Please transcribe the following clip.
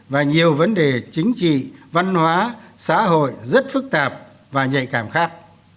và nhiều vấn đề chính trị văn hóa xã hội rất phức tạp và nhạy cảm khác